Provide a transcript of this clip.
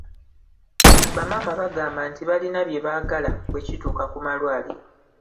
Bamaama bagamba nti balina bye baagala bwe kituuka ku malwaliro.